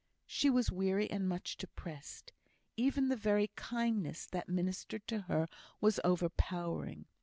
She was weary, and much depressed. Even the very kindness that ministered to her was overpowering.